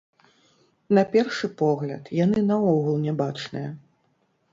На першы погляд, яны наогул не бачныя.